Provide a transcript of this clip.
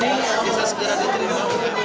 mereka akan bisa menikmati layanan tv digital